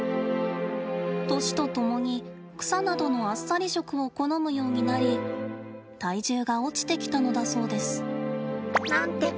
年とともに、草などのあっさり食を好むようになり体重が落ちてきたのだそうです。